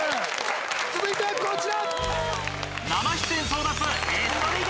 続いてこちら！